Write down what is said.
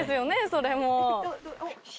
それも。